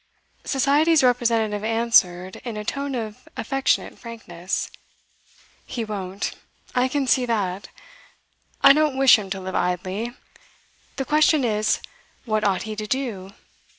Society's representative answered in a tone of affectionate frankness: 'He won't; I can see that. I don't wish him to live idly. The question is, What ought he to do?